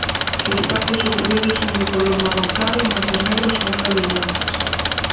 Sus partes superiores son de color marrón claro y manchas negras con rayas blancas.